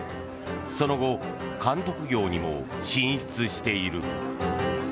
その後監督業にも進出している。